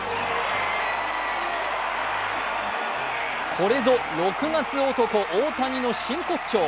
これぞ６月男・大谷の真骨頂。